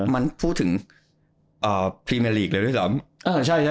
มันพูดถึงพรีเมอร์ลีกเลยด้วยซ้ำ